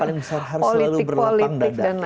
paling besar harus selalu berlapang dada